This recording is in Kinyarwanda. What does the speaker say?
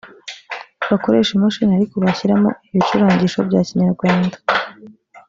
Bakoreshe imashini ariko bashyiramo ibicurangisho bya Kinyarwanda